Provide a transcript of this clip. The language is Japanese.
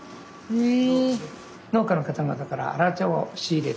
へえ！